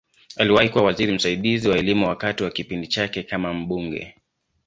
Aliwahi kuwa waziri msaidizi wa Elimu wakati wa kipindi chake kama mbunge.